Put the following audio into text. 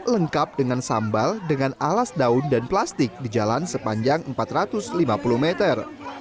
lengkap dengan sambal dengan alas daun dan plastik di jalan sepanjang empat ratus lima puluh meter